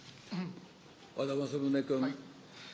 和田政宗君。